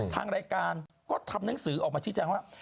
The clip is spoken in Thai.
ทางรายการก็ทำหนังสือออกมาชี้แจงว่า